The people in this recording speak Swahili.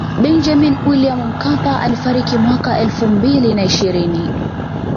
Benjamini Williamu Mkapa alifariki mwaka elfu mbili na ishirini